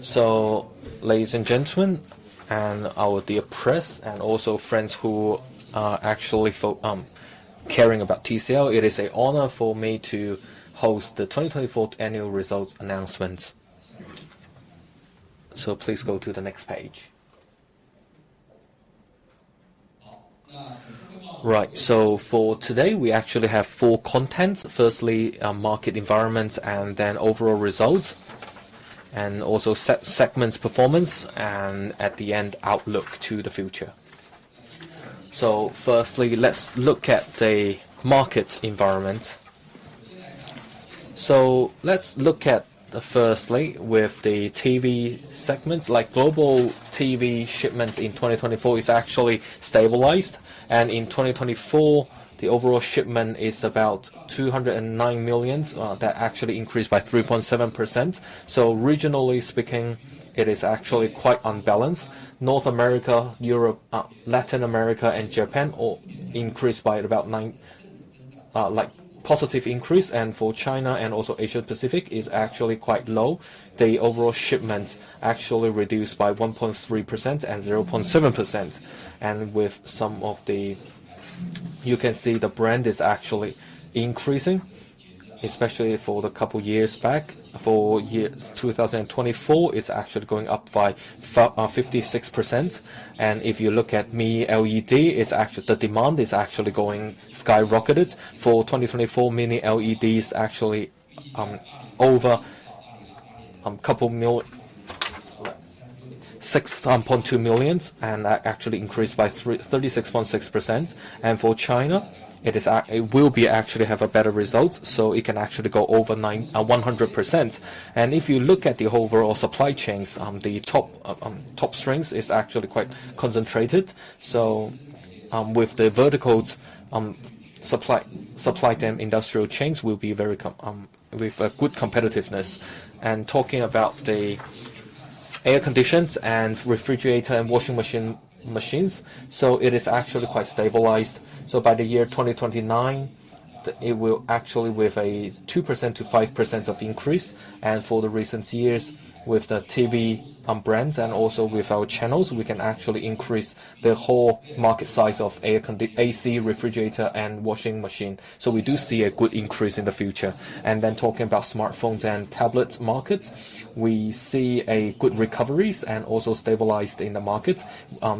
So, ladies and gentlemen, and our dear press, and also friends who are actually caring about TCL, it is an honor for me to host the 2024 annual results announcements. So please go to the next page. Right, so for today, we actually have four contents: firstly, market environments, and then overall results, and also segments performance, and at the end, outlook to the future. So firstly, let's look actually go over 100%. If you look at the overall supply chains, the top 10 is actually quite concentrated. With the verticals, supply chain industrial chains with a good competitiveness. Talking about the air conditioners and refrigerators and washing machines, it is actually quite stabilized. By the year 2029, it will actually with a 2%-5% increase. For the recent years, with the TV brands and also with our channels, we can actually increase the whole market size of AC, refrigerator, and washing machine. We do see a good increase in the future. Talking about smartphones and tablets markets, we see a good recovery and also stabilized in the markets.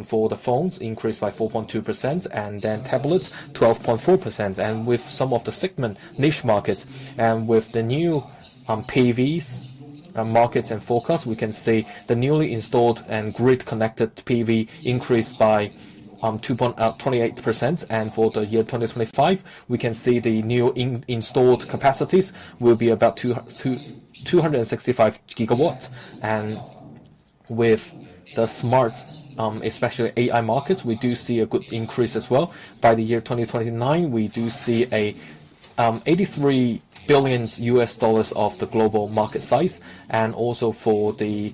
For the phones, increased by 4.2%, and then tablets, 12.4%. With some of the segment niche markets, and with the new PV markets and forecasts, we can see the newly installed and grid-connected PV increased by 28%. For the year 2025, we can see the new installed capacities will be about 265 GW. With the smart, especially AI markets, we do see a good increase as well. By the year 2029, we do see an $83 billion of the global market size. And also, for the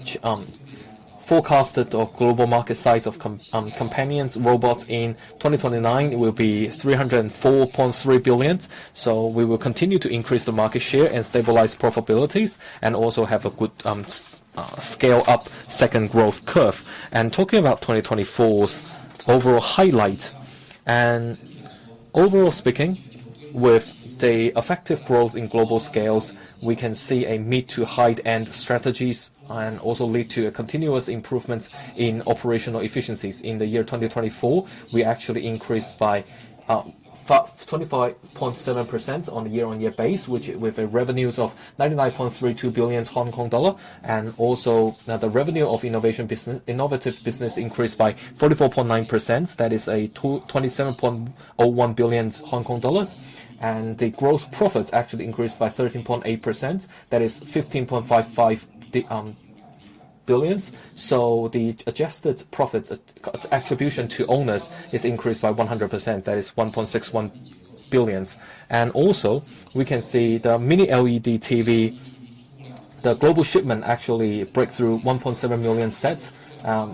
forecasted global market size of companion robots in 2029, it will be $304.3 billion. So we will continue to increase the market share and stabilize profitability, and also have a good scale-up second growth curve. And talking about 2024's overall highlight, and overall speaking, with the effective growth in global sales, we can see a mid-to-high-end strategy and also lead to a continuous improvement in operational efficiencies. In the year 2024, we actually increased by 25.7% on a year-on-year basis, which, with revenues of 99.32 billion Hong Kong dollar. And also the revenue of innovative business increased by 44.9%. That is 27.01 billion Hong Kong dollars. And the gross profits actually increased by 13.8%. That is 15.55 billion. So the adjusted profit attributable to owners increased by 100%. That is 1.61 billion. And also we can see the Mini LED TV, the global shipment actually broke through 1.7 million sets,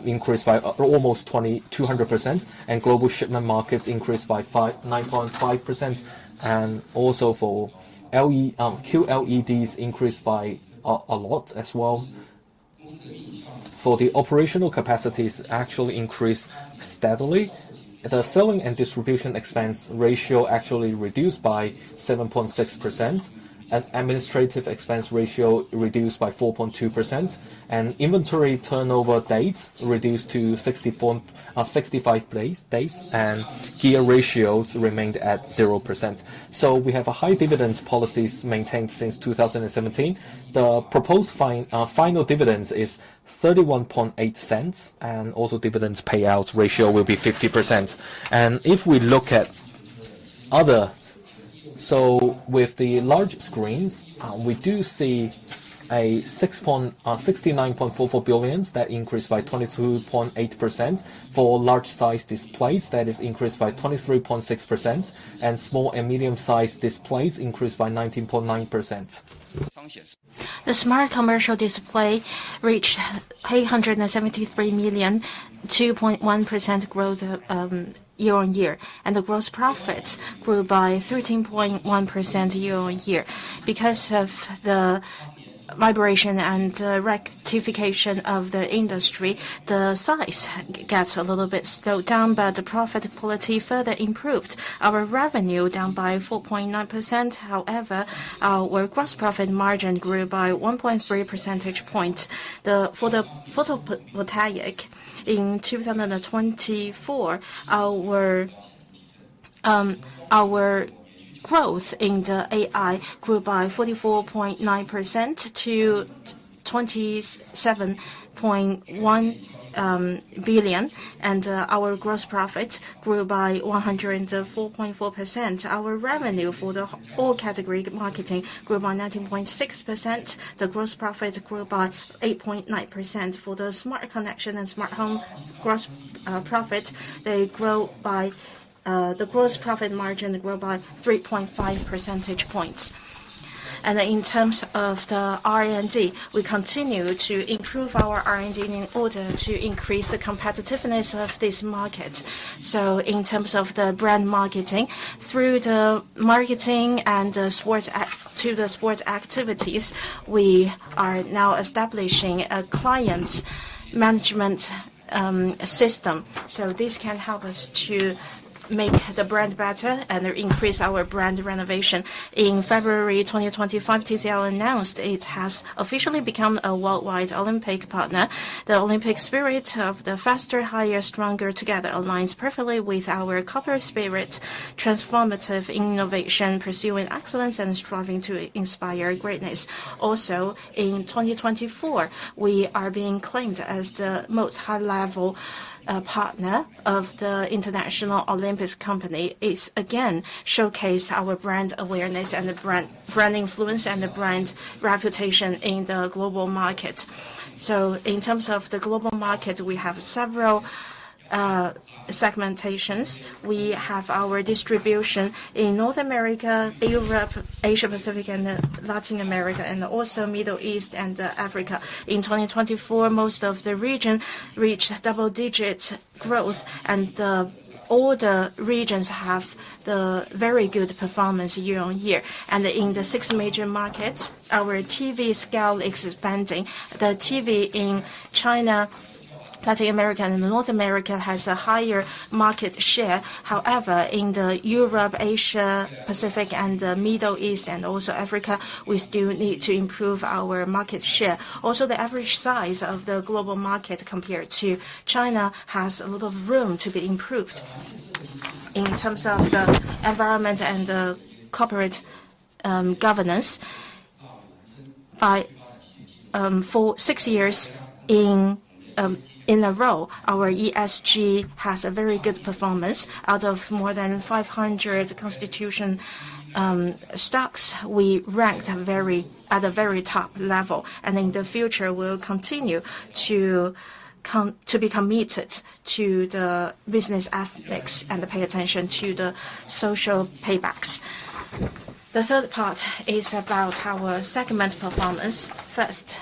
increased by almost 200%, and global market share increased by 9.5%. And also for QLEDs, increased by a lot as well. For the operational capacities, actually increased steadily. The selling and distribution expense ratio actually reduced by 7.6%, and administrative expense ratio reduced by 4.2%, and inventory turnover days reduced to 65 days, and gearing ratios remained at 0%. So we have a high dividend policy maintained since 2017. The proposed final dividend is 0.318, and also dividend payout ratio will be 50%. And if we look at others, so with the large screens, we do see 69.44 billion that increased by 22.8%. For large-sized displays, that is increased by 23.6%, and small and medium-sized displays increased by 19.9%. The smart commercial display reached 873 million, 2.1% growth year-on-year, and the gross profits grew by 13.1% year-on-year. Because of the migration and rectification of the industry, the size gets a little bit slowed down, but the profitability further improved. Our revenue down by 4.9%. However, our gross profit margin grew by 1.3 percentage points. For the photovoltaic in 2024, our growth in the AI grew by 44.9% to HKD 27.1 billion, and our gross profit grew by 104.4%. Our revenue for the all-category marketing grew by 19.6%. The gross profit grew by 8.9%. For the smart connection and smart home gross profit, the gross profit margin grew by 3.5 percentage points. And in terms of the R&D, we continue to improve our R&D in order to increase the competitiveness of this market. In terms of the brand marketing, through the marketing and the sports activities, we are now establishing a client management system. This can help us to make the brand better and increase our brand recognition. In February 2025, TCL announced it has officially become a worldwide Olympic partner. The Olympic spirit of the faster, higher, stronger together aligns perfectly with our core spirit, transformative innovation, pursuing excellence and striving to inspire greatness. Also, in 2024, we have been named as the highest-level partner of the International Olympic Committee. It again showcases our brand awareness and brand influence and brand reputation in the global market. In terms of the global market, we have several segments. We have our distribution in North America, Europe, Asia Pacific, and Latin America, and also Middle East and Africa. In 2024, most of the region reached double-digit growth, and all the regions have very good performance year-on-year. And in the six major markets, our TV scale is expanding. The TV in China, Latin America, and North America has a higher market share. However, in Europe, Asia Pacific, and the Middle East, and also Africa, we still need to improve our market share. Also, the average size of the global market compared to China has a lot of room to be improved. In terms of the environment and the corporate governance, for six years in a row, our ESG has a very good performance. Out of more than 500 constituent stocks, we ranked at the very top level. And in the future, we'll continue to become committed to the business ethics and pay attention to the social paybacks. The third part is about our segment performance. First,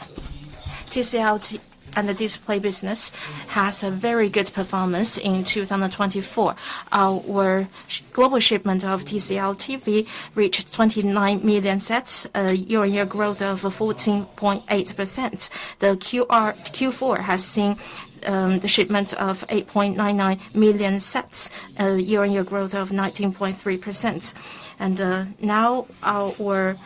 TCL and the display business has a very good performance in 2024. Our global shipment of TCL TV reached 29 million sets, a year-on-year growth of 14.8%. The Q4 has seen the shipment of 8.99 million sets, a year-on-year growth of 19.3%. And now our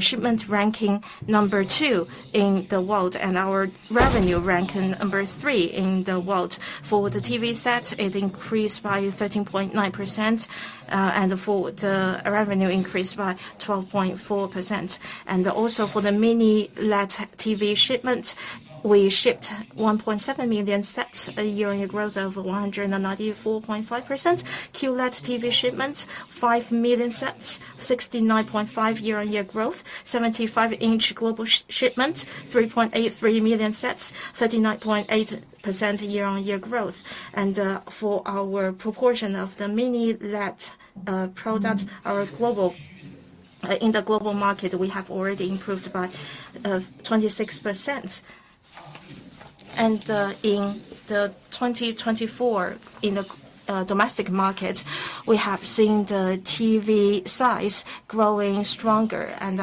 shipment ranking number two in the world and our revenue ranking number three in the world. For the TV set, it increased by 13.9%, and for the revenue, increased by 12.4%. And also for the Mini LED TV shipment, we shipped 1.7 million sets, a year-on-year growth of 194.5%. QLED TV shipment, 5 million sets, 69.5% year-on-year growth. 75-inch global shipment, 3.83 million sets, 39.8% year-on-year growth. And for our proportion of the Mini LED product, in the global market, we have already improved by 26%. And in the 2024, in the domestic market, we have seen the TV size growing stronger. And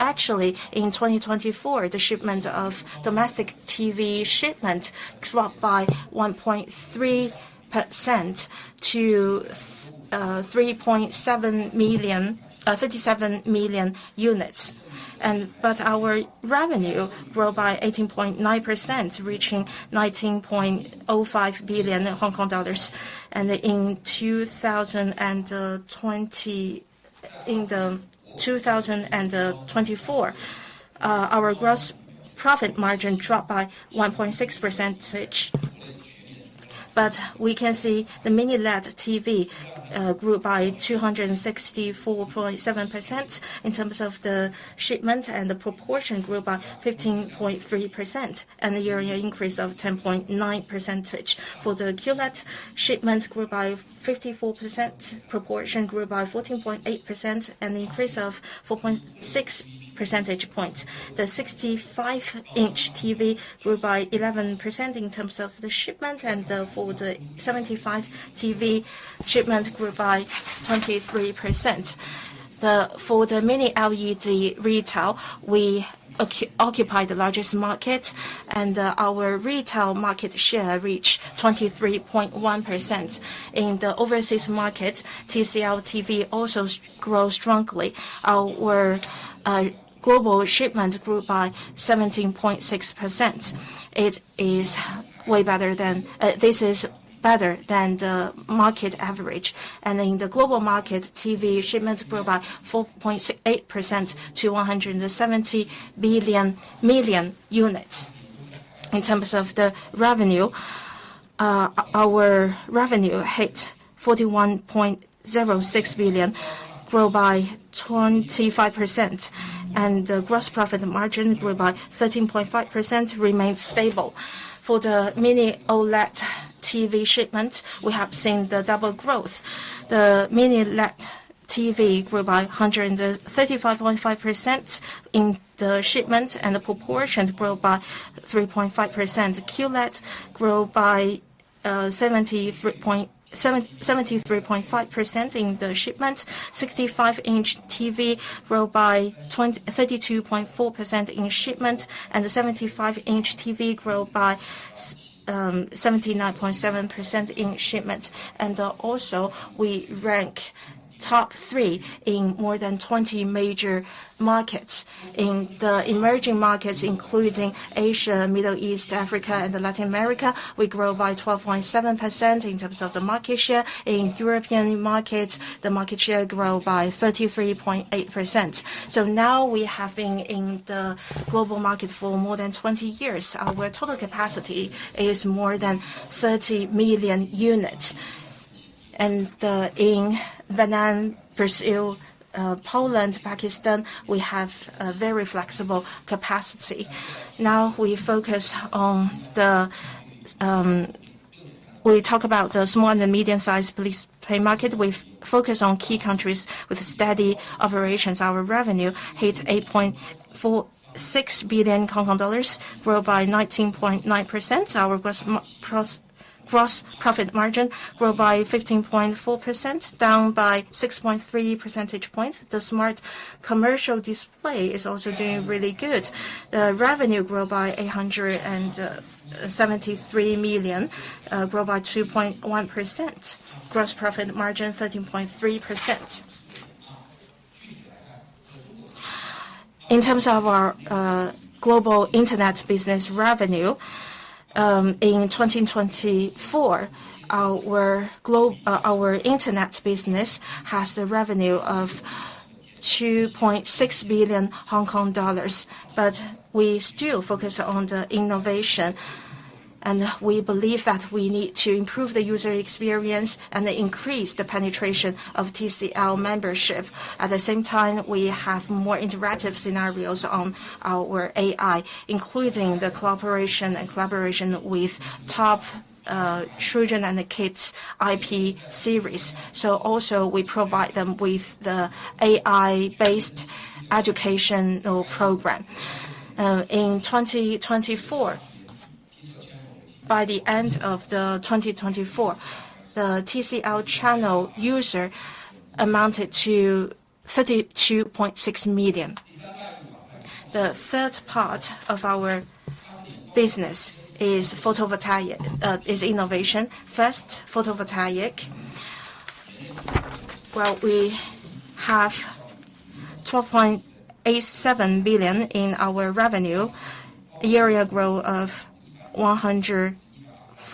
actually, in 2024, the shipment of domestic TV shipment dropped by 1.3% to 3.7 million units. But our revenue grew by 18.9%, reaching 19.05 billion Hong Kong dollars. And in 2024, our gross profit margin dropped by 1.6%. But we can see the Mini LED TV grew by 264.7% in terms of the shipment, and the proportion grew by 15.3%, and a year-on-year increase of 10.9%. For the QLED shipment, grew by 54%, proportion grew by 14.8%, and increase of 4.6 percentage points. The 65-inch TV grew by 11% in terms of the shipment, and for the 75-inch TV shipment, grew by 23%. For the Mini LED retail, we occupy the largest market, and our retail market share reached 23.1%. In the overseas market, TCL TV also grows strongly. Our global shipment grew by 17.6%. This is better than the market average. In the global market, TV shipment grew by 4.8% to 170 million units. In terms of the revenue, our revenue hit 41.06 billion, grew by 25%, and the gross profit margin grew by 13.5%, remained stable. For the Mini OLED TV shipment, we have seen the double growth. The Mini LED TV grew by 135.5% in the shipment, and the proportion grew by 3.5%. QLED grew by 73.5% in the shipment. 65-inch TV grew by 32.4% in shipment, and the 75-inch TV grew by 79.7% in shipment. And also, we rank top three in more than 20 major markets. In the emerging markets, including Asia, Middle East, Africa, and Latin America, we grew by 12.7% in terms of the market share. In European markets, the market share grew by 33.8%. Now we have been in the global market for more than 20 years. Our total capacity is more than 30 million units. In Vietnam, Brazil, Poland, Pakistan, we have a very flexible capacity. Now we focus on the small and the medium-sized display market. We focus on key countries with steady operations. Our revenue hit 8.6 billion Hong Kong dollars, grew by 19.9%. Our gross profit margin grew by 15.4%, down by 6.3 percentage points. The smart commercial display is also doing really good. The revenue grew by 873 million, grew by 2.1%. Gross profit margin 13.3%. In terms of our global internet business revenue, in 2024, our internet business has the revenue of 2.6 billion Hong Kong dollars. But we still focus on the innovation, and we believe that we need to improve the user experience and increase the penetration of TCL membership. At the same time, we have more interactive scenarios on our AI, including the collaboration with top children and kids IP series, so also we provide them with the AI-based educational program. In 2024, by the end of 2024, the TCL Channel user amounted to 32.6 million. The third part of our business is photovoltaic innovation. First, photovoltaic. We have 12.87 billion in our revenue, a year-on-year growth of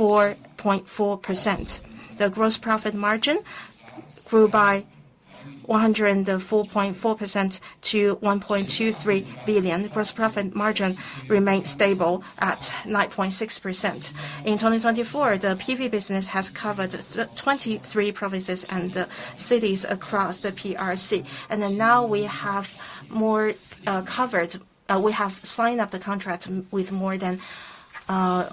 104.4%. The gross profit margin grew by 104.4% to 1.23 billion. Gross profit margin remained stable at 9.6%. In 2024, the PV business has covered 23 provinces and cities across the PRC. And now we have more covered. We have signed up the contract with more than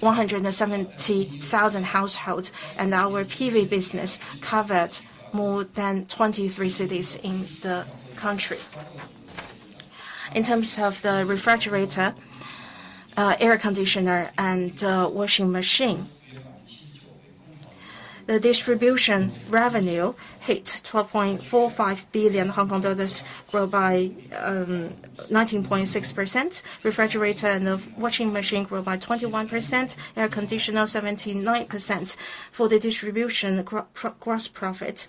170,000 households, and our PV business covered more than 23 cities in the country. In terms of the refrigerator, air conditioner, and washing machine, the distribution revenue hit 12.45 billion Hong Kong dollars, grew by 19.6%. Refrigerator and washing machine grew by 21%, air conditioner 79%. For the distribution gross profit,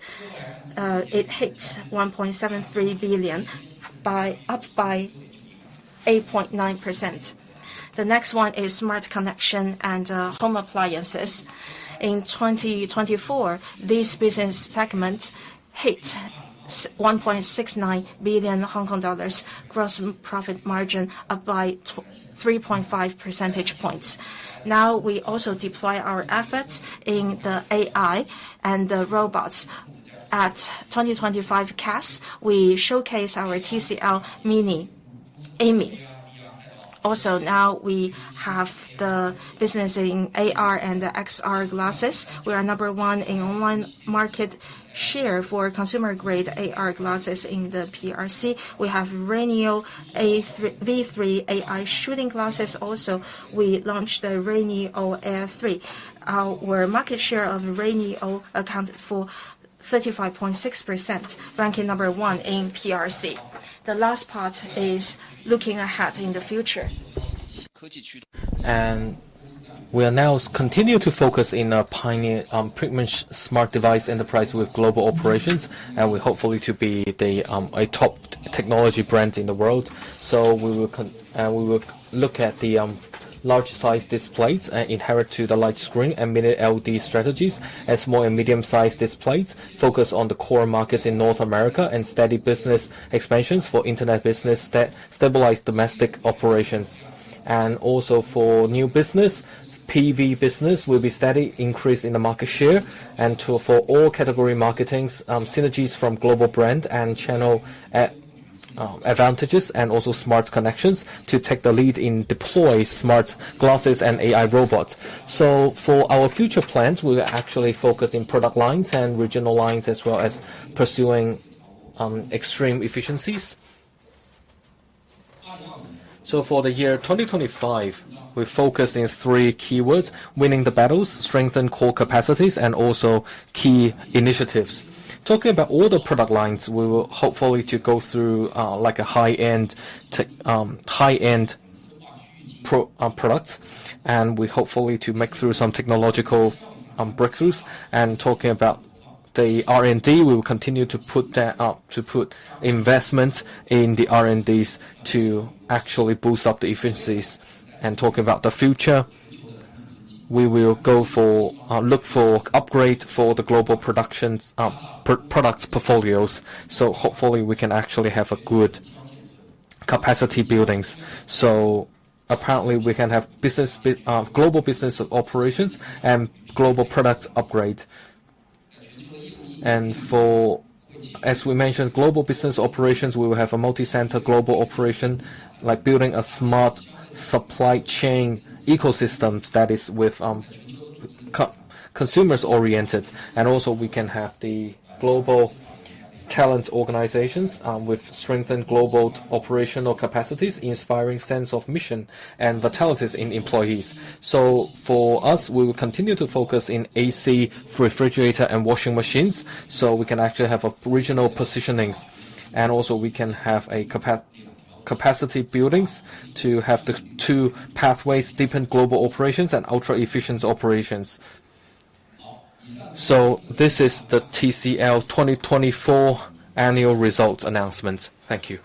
it hit 1.73 billion, up by 8.9%. The next one is smart connection and home appliances. In 2024, this business segment hit 1.69 billion Hong Kong dollars, gross profit margin up by 3.5 percentage points. Now we also deploy our efforts in the AI and the robots. At 2025 CES, we showcase our TCL Mini. Also, now we have the business in AR and XR glasses. We are number one in online market share for consumer-grade AR glasses in the PRC. We have RayNeo V3 AI shooting glasses. Also, we launched the RayNeo Air 3. Our market share of RayNeo accounts for 35.6%, ranking number one in PRC. The last part is looking ahead in the future. And we are now continuing to focus on pretty much smart device enterprise with global operations, and we hopefully to be a top technology brand in the world, so we will look at the large-size displays inherent to the large screen and Mini LED strategies as small and medium-sized displays, focus on the core markets in North America and steady business expansions for internet business that stabilize domestic operations, and also for new business, PV business will be steady increase in the market share and for all category marketings, synergies from global brand and channel advantages, and also smart connections to take the lead in deploying smart glasses and AI robots, so for our future plans, we're actually focusing on product lines and regional lines as well as pursuing extreme efficiencies. For the year 2025, we focus on three keywords: winning the battles, strengthen core capacities, and also key initiatives. Talking about all the product lines, we will hopefully to go through like a high-end product, and we hopefully to make through some technological breakthroughs. Talking about the R&D, we will continue to put investments in the R&Ds to actually boost up the efficiencies. Talking about the future, we will look for upgrades for the global products portfolios. Hopefully, we can actually have a good capacity building. Apparently, we can have global business operations and global product upgrades. As we mentioned, global business operations, we will have a multicenter global operation, like building a smart supply chain ecosystem that is consumers-oriented. Also, we can have the global talent organizations with strengthened global operational capacities, inspiring sense of mission, and the talented employees. So for us, we will continue to focus on AC, refrigerator, and washing machines so we can actually have original positionings. And also, we can have capacity buildings to have the two pathways: deepened global operations and ultra-efficient operations. So this is the TCL 2024 annual results announcement. Thank you.